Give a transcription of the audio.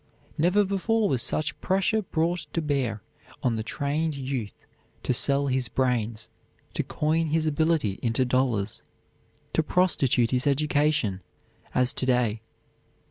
Never before was such pressure brought to bear on the trained youth to sell his brains, to coin his ability into dollars, to prostitute his education, as to day.